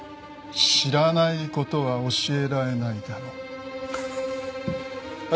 知らない事は教えられないだろ？ハハハ。